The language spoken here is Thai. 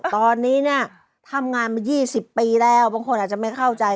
ตอนนี้เนี่ยทำงานมา๒๐ปีแล้วบางคนอาจจะไม่เข้าใจ